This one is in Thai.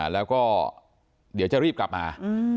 แล้วก็เดี๋ยวจะรีบกลับมา